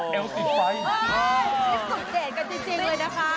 คิดสุดเจนกันจริงเลยนะคะ